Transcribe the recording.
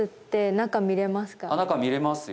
中見れますよ。